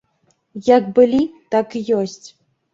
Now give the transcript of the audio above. Як былі, так і ёсць.